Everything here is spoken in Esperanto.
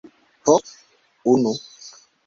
Ho... unu.